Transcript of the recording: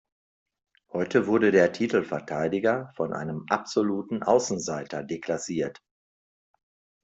Heute wurde der Titelverteidiger von einem absoluten Außenseiter deklassiert.